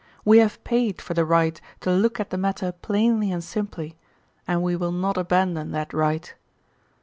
We have paid for the right to look at the matter plainly and simply, and we will not abandon that right.